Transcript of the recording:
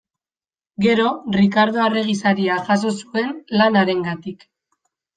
Gero Rikardo Arregi Saria jaso zuen lan harengatik.